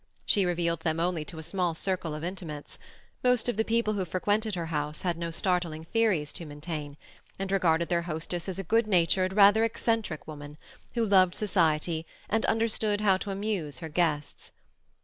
She revealed them only to a small circle of intimates; most of the people who frequented her house had no startling theories to maintain, and regarded their hostess as a good natured, rather eccentric woman, who loved society and understood how to amuse her guests.